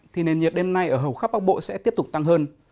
thì nền nhiệt đêm nay ở hầu khắp bắc bộ sẽ tiếp tục tăng hơn